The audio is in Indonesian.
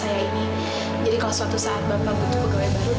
jadi kalau suatu saat bapak butuh pegawai baru